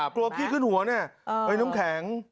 กลัวคี่ขึ้นหัวเนี่ยเอ๊ยน้ำแข็ง